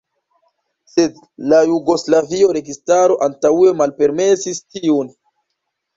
Sed la jugoslava registaro antaŭe malpermesis tiun.